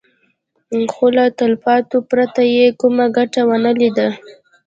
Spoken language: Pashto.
خو له تلفاتو پرته يې کومه ګټه ونه ليده.